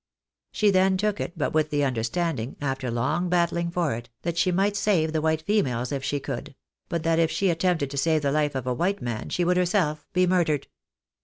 She then took it, but with the understanding (after long battling for it) that she might save the white females if she could ; but that if she attempted to save the life of a white man, she would herself be murdered.